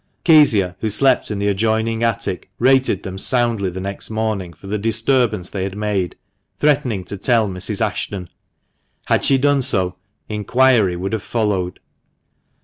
Kezia, who slept in the adjoining attic, rated them soundly the next morning for the disturbance they had made, threatening to tell Mrs. Ashton. Had she done so, inquiry would have followed.